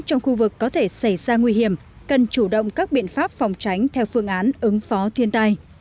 trong khu vực có thể xảy ra nguy hiểm cần chủ động các biện pháp phòng tránh theo phương án ứng phó thiên tai